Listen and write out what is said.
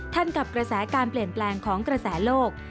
กับกระแสการเปลี่ยนแปลงของกระแสโลก